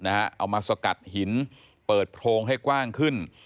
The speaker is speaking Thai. ก็ต้องเอาอุปกรณ์ขุดเจาะนะฮะเอามาสกัดหินเปิดโพงให้กว้างขึ้น